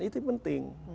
ya ini penting